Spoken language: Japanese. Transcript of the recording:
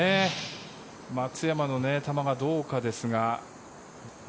松山の球がどうかですが。